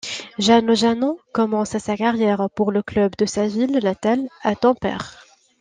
Janne Ojanen commence sa carrière pour le club de sa ville natale à Tampere.